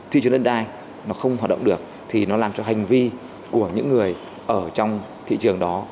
thị trường đất đai nó không hoạt động được thì nó làm cho hành vi của những người ở trong thị trường đó